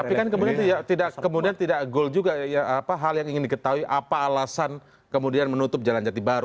tapi kan kemudian tidak goal juga hal yang ingin diketahui apa alasan kemudian menutup jalan jati baru